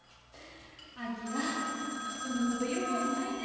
昭そんなこと言うもんやないで。